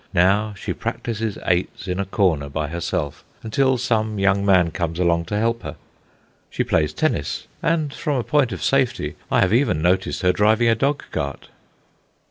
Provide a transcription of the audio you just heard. Now she practises eights in a corner by herself, until some young man comes along to help her. She plays tennis, and, from a point of safety, I have even noticed her driving a dog cart.